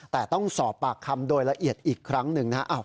แต่ต้องสอบปากคำโดยละเอียดอีกครั้งหนึ่งนะครับ